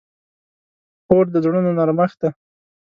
خور د زړونو نرمښت ده.